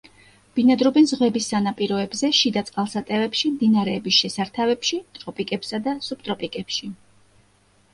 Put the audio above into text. ბინადრობენ ზღვების სანაპიროებზე, შიდა წყალსატევებში, მდინარეების შესართავებში ტროპიკებსა და სუბტროპიკებში.